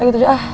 lagi tujuh ah